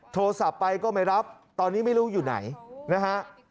โทรศัพท์ไปก็ไม่รับตอนนี้ไม่รู้อยู่ไหนนะฮะ